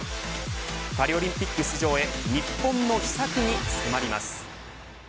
パリオリンピック出場へ日本の秘策に迫ります。